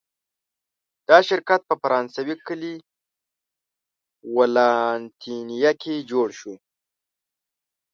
دا شرکت په فرانسوي کلي ولانتینیه کې جوړ شو.